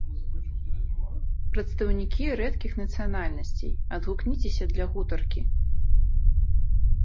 Прадстаўнікі рэдкіх нацыянальнасцей, адгукніцеся для гутаркі!